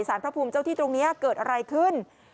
พระภูมิเจ้าที่ตรงนี้เกิดอะไรขึ้น